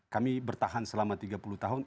kami bertahan selama tiga puluh tahun